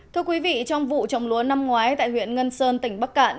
thưa quý vị trong vụ trồng lúa năm ngoái tại huyện ngân sơn tỉnh bắc cạn